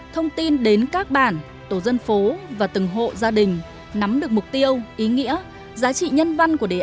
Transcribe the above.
thông tin đến các bản tổ dân phố và từng hộ gia đình nắm được mục tiêu ý nghĩa giá trị nhân văn của đề án